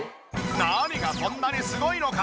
何がそんなにすごいのか？